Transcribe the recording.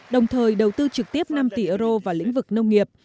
đồng thời đầu tư trực tiếp năm tỷ euro vào lĩnh vực nông nghiệp